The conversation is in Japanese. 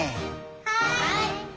はい。